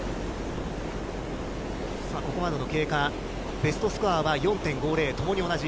ここまでの経過、ベストスコアは４．５０ともに同じ。